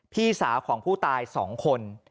พี่สาวของผู้ตาย๒คน